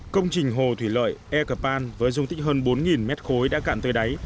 công trình hồ thủy lợi ekapan với dung tích hơn bốn mét khối đã cạn tới đáy